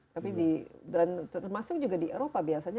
tapi di dan termasuk juga di eropa biasanya